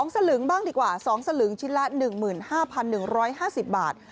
สลึงบ้างดีกว่า๒สลึงชิ้นละ๑๕๑๕๐บาท